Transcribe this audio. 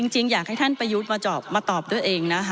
จริงอยากให้ท่านประยุทธ์มาตอบด้วยเองนะคะ